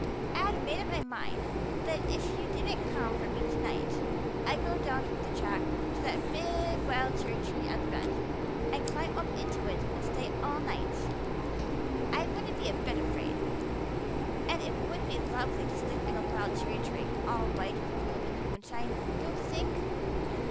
I had made up my mind that if you didn't come for me to night I'd go down the track to that big wild cherry tree at the bend, and climb up into it to stay all night. I wouldn't be a bit afraid, and it would be lovely to sleep in a wild cherry tree all white with bloom in the moonshine, don't you think?